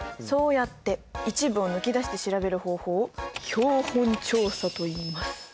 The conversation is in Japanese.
そうやって一部を抜き出して調べる方法を標本調査といいます。